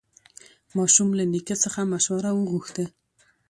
ماشوم له نیکه څخه مشوره وغوښته